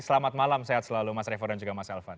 selamat malam sehat selalu mas revo dan juga mas elvan